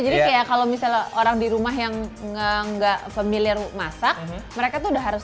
jadi kayak kalau misalnya orang di rumah yang gak familiar masak mereka tuh udah harus